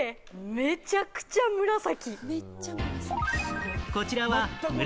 めちゃくちゃ紫！